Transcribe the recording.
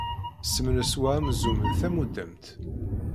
Semres wa amzun d tamudemt!